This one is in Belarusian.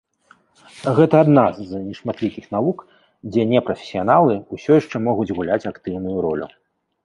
Гэта адна з нешматлікіх навук, дзе непрафесіяналы ўсё яшчэ могуць гуляць актыўную ролю.